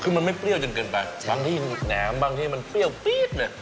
คือมันไม่เปรี้ยวจนเกินไปบางที่แหนมบางที่มันเปรี้ยวปี๊ดเลย